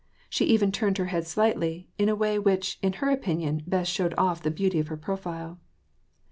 She even turned her head slightly, in a way which, in her opinion, best showed off the beauty of her profile.